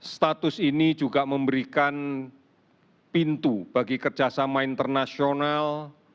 status ini juga memberikan pintu bagi kerjasama internasional